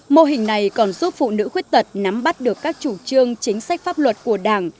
mô hình này còn giúp phụ nữ khuyết tật nắm bắt được các chủ trương chính sách pháp luật của đảng